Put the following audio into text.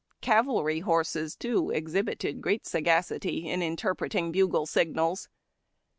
Cavalry horses, too, exhibited great sagacity in interpreting bugle signals.